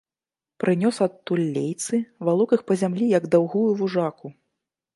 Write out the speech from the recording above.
Прынёс адтуль лейцы, валок іх па зямлі, як даўгую вужаку.